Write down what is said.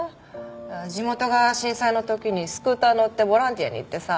地元が震災の時にスクーターに乗ってボランティアに行ってさ。